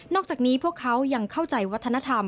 อกจากนี้พวกเขายังเข้าใจวัฒนธรรม